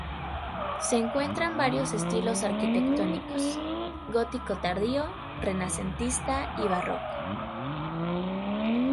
Se encuentran varios estilos arquitectónicos: gótico tardío, renacentista y barroco.